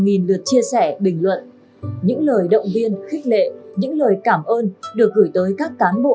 nghìn lượt chia sẻ bình luận những lời động viên khích lệ những lời cảm ơn được gửi tới các cán bộ